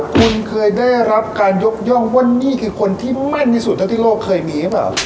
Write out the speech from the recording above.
คุณเคยได้รับการยกย่องว่านี่คือคนที่มั่นที่สุดเท่าที่โลกเคยมีหรือเปล่า